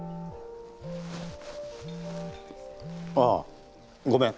ああごめん。